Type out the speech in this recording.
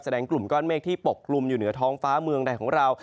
กลุ่มก้อนเมฆที่ปกกลุ่มอยู่เหนือท้องฟ้าเมืองใดของเรา